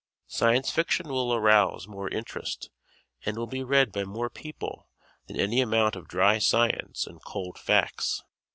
Science Fiction will arouse more interest and will be read by more people than any amount of dry science and cold facts.